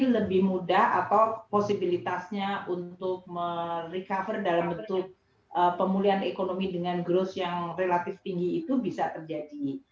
lebih mudah atau posibilitasnya untuk recover dalam bentuk pemulihan ekonomi dengan growth yang relatif tinggi itu bisa terjadi